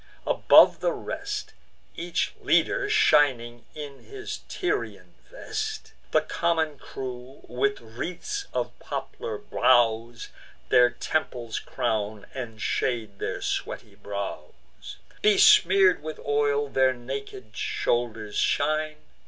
Above the rest, Each leader shining in his Tyrian vest; The common crew with wreaths of poplar boughs Their temples crown, and shade their sweaty brows: Besmear'd with oil, their naked shoulders shine.